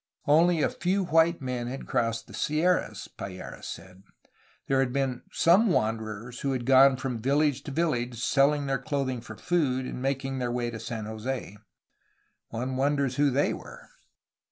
Only a few white men had crossed the Sierras, Payeras said; there had been some wanderers who had gone from village to village, selling their clothing for food, and making their way to San Jose. One wonders who they were!